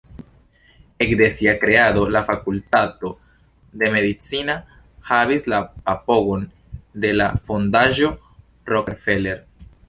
Ekde sia kreado, la Fakultato Medicina havis la apogon de la Fondaĵo Rockefeller.